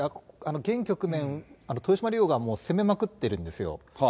現局面、豊島竜王が攻めまくってるんですよ。